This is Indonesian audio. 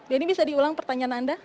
denny bisa diulang pertanyaan anda